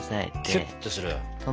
キュッとする。